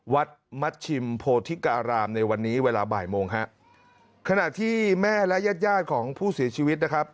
วัดมัชชิมโพธิการามในวันนี้เวลาบ่ายโมงฮะขณะที่แม่และญาติญาติของผู้เสียชีวิตนะครับ